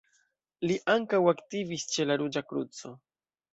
Li ankaŭ aktivis ĉe la Ruĝa Kruco.